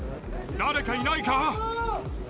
誰かいないか！